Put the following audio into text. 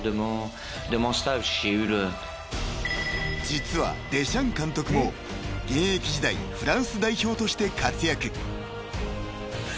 ［実はデシャン監督も現役時代フランス代表として活躍］